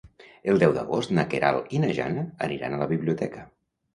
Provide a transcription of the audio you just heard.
El deu d'agost na Queralt i na Jana aniran a la biblioteca.